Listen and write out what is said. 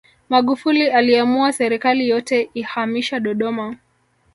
magufuli aliamua serikali yote ihamisha dodoma